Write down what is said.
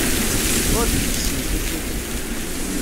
Ur d-tessimt usuten.